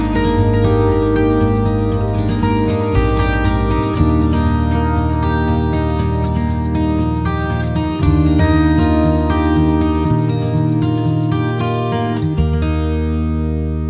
โปรดติดตามตอนต่อไป